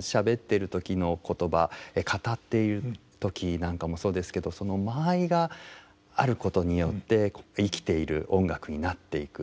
しゃべってる時の言葉語っている時なんかもそうですけどその間合いがあることによって生きている音楽になっていく。